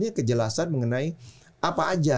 ini adalah kejelasan mengenai apa aja